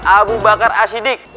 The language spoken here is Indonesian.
abu bakar asyidik